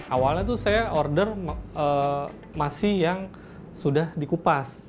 awalnya tuh saya order masih yang sudah dikupas